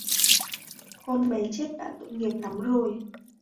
con bé chết đã tội nghiệp lắm rồi